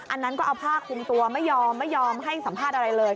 อันนั้นก็เอาผ้าคุมตัวไม่ยอมไม่ยอมให้สัมภาษณ์อะไรเลย